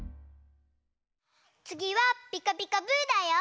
つぎは「ピカピカブ！」だよ。